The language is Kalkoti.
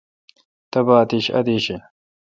تبا اتیش ادیش این۔